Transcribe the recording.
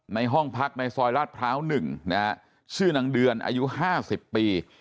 ในห้องพักในซอยลาดพร้าว๑นะฮะชื่อนางเดือนอายุ๕๐ปี